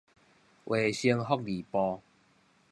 衛生福利部